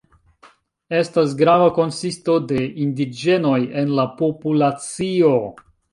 Estas grava konsisto de indiĝenoj en la populacio.